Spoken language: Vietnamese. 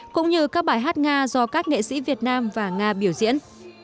cũng như các bài hát nga do các nghệ sĩ việt nam và nga biểu diễn